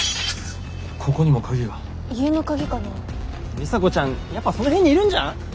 里紗子ちゃんやっぱその辺にいるんじゃん？